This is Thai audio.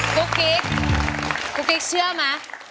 ครูกี๊ครูกี๊เชื่อไหม